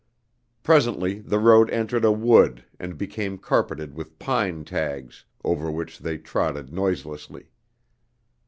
Presently the road entered a wood and became carpeted with pine tags, over which they trotted noiselessly.